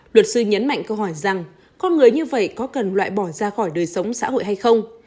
luật sư nhấn mạnh câu hỏi rằng con người như vậy có cần loại bỏ ra khỏi đời sống xã hội hay không